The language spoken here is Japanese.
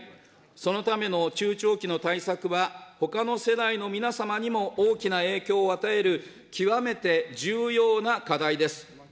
そのための中長期の対策はほかの世代の皆様にも大きな影響を与える、極めて重要な課題です。